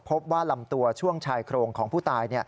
พบว่าลำตัวช่วงชายโครงของผู้ตาย